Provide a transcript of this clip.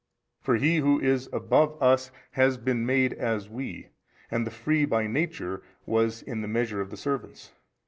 For He Who is above us has been made as we and the Free by Nature was in the measure of the servants.